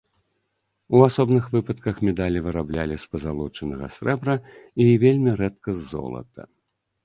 У асобных выпадках медалі выраблялі з пазалочанага срэбра і вельмі рэдка з золата.